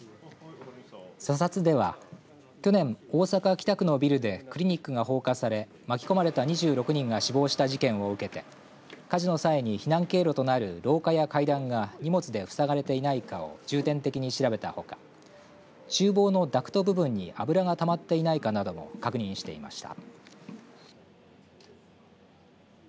査察では去年、大阪、北区のビルでクリニックが放火され巻き込まれた２６人が死亡した事件を受けて火事の際に避難経路となる廊下や階段が荷物で塞がれていないかを重点的に調べたほかちゅう房のダクト部分に油がたまっていないかなども確認していました。